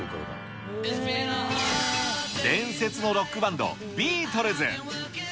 伝説のロックバンド、ビートルズ。